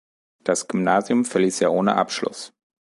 Das Gymnasium verließ er ohne Abschluss.